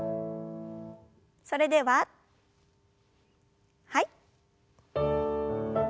それでははい。